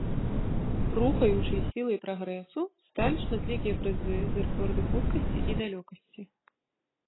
Рухаючай сілай прагрэсу сталі шматлікія прызы за рэкорды хуткасці і далёкасці.